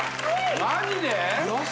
マジで？